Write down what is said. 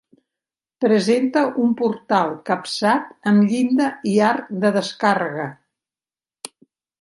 Presenta un portal capçat amb llinda i arc de descàrrega.